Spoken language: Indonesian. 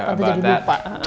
tante jadi lupa